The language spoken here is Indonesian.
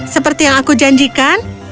seperti yang aku janjikan